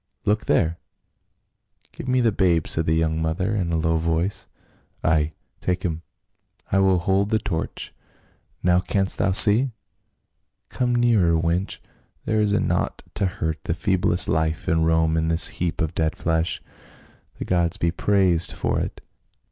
Look there !" "Give me the babe," said the young mother, in a low voice. " Ay, take him ; I will hold the torch. Now, canst thou see ? Come nearer, wench. There is naught to hurt the feeblest life in Rome in this heap of dead flesh. The gods be praised for it